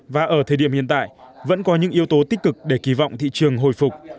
và ở thời điểm hiện tại vẫn có những yếu tố tích cực để kỳ vọng thị trường hồi phục